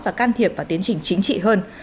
và can thiệp vào tiến trình chính trị hơn